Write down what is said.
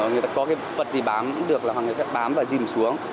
người ta có cái vật gì bám cũng được hoặc người ta bám và dìm xuống